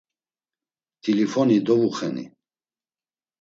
T̆ilifoni dovuxeni.